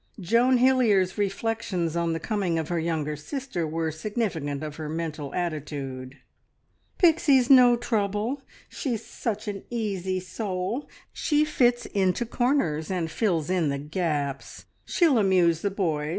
Joan Hilliard's reflections on the coming of her younger sister were significant of her mental attitude. "Pixie's no trouble. She's such an easy soul. She fits into corners and fills in the gaps. She'll amuse the boys.